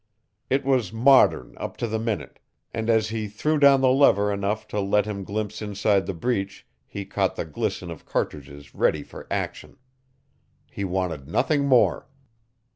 It was modern up to the minute, and as he threw down the lever enough to let him glimpse inside the breech he caught the glisten of cartridges ready for action. He wanted nothing more.